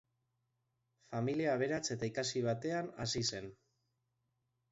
Familia aberats eta ikasi batean hazi zen.